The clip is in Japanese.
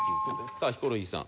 さあヒコロヒーさん。